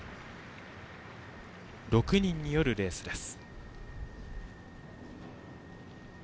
６人によるレースです。